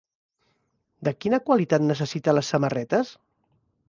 De quina qualitat necessita les samarretes?